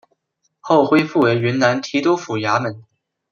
后恢复为云南提督府衙门。